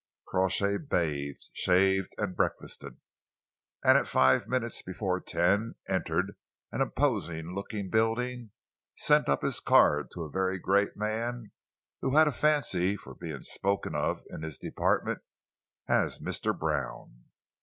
Crawshay bathed, shaved and breakfasted, and at five minutes before ten entered an imposing looking building and sent up his card to a very great man, who had a fancy for being spoken of in his department as Mr. Brown.